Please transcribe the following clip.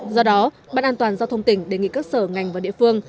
do đó ban an toàn giao thông tỉnh đề nghị các sở ngành và địa phương